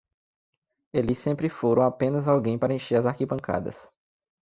Eles sempre foram apenas alguém para encher as arquibancadas.